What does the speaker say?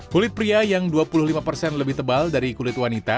kulit pria yang dua puluh lima persen lebih tebal dari kulit wanita